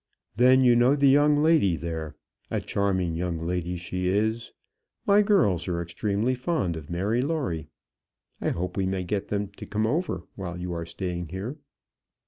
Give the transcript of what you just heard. "Then you know the young lady there; a charming young lady she is. My girls are extremely fond of Mary Lawrie. I hope we may get them to come over while you are staying here."